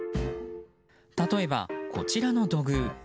例えば、こちらの土偶。